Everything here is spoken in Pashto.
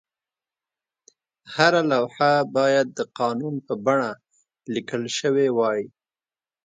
هره لوحه باید د قانون په بڼه لیکل شوې وای.